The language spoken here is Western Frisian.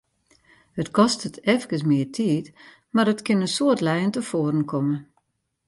It kostet efkes mear tiid, mar it kin in soad lijen tefoaren komme.